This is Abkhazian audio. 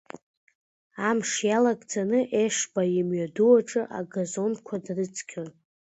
Амш иалагӡаны Ешба имҩаду аҿы агазонқәа дрыцқьон.